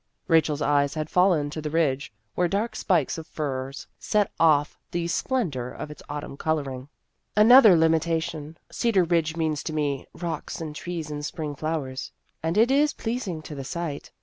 Rachel's eyes had fallen to the Ridge, where dark spikes of firs set off the splen dor of its autumn coloring. " Another limitation. Cedar Ridge means to me rocks and trees, and spring flowers, and it is pleasing to the sight.